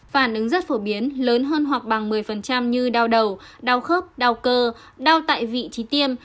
phản ứng rất phổ biến lớn hơn hoặc bằng một mươi như đau đầu đau khớp đau cơ đau tại vị trí tiêm